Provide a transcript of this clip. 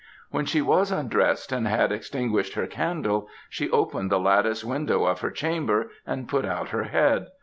When she was undrest and had extinguished her candle, she opened the lattice window of her chamber and put out her head.